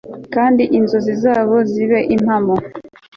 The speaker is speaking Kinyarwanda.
kandi inzozi zabo zibe impamo